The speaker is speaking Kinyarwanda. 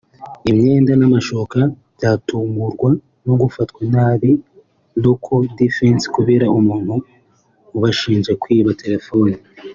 imyenda n’amashuka batungurwa no gufatwa n’aba-local defense kubera umuntu ubashinja kwiba terefone